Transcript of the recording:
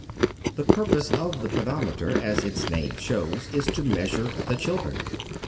(Fig. 2.) The purpose of the pedometer, as its name shows, is to measure the children.